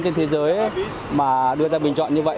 trên thế giới mà đưa ra bình chọn như vậy